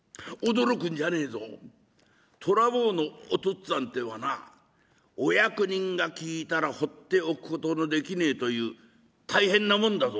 っつぁんっていうのはなお役人が聞いたらほっておくことのできねえという大変な者だぞ」。